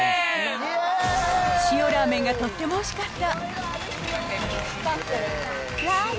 塩ラーメンがとってもおいしかった。